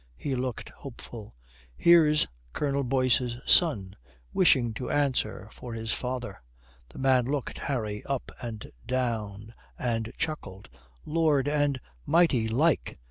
He looked hopeful. "Here's Colonel Boyce's son, wishing to answer for his father." The man looked Harry up and down and chuckled. "Lord, and mighty like.